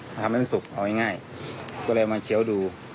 ทำให้มันสุกเอาง่ายก็เลยเอามาเคี้ยวดู